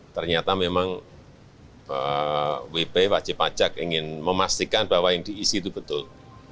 ternyata memang wp wajib pajak ingin memastikan bahwa yang diisi itu betul